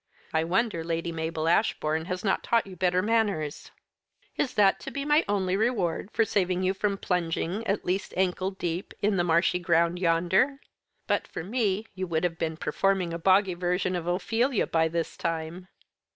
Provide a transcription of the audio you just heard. I wonder Lady Mabel Ashbourne has not taught you better manners." "Is that to be my only reward for saving you from plunging at least ankle deep in the marshy ground yonder? But for me you would have been performing a boggy version of Ophelia by this time."